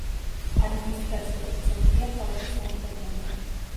ადმინისტრაციული ცენტრია ქალაქი სან-ფერნანდო.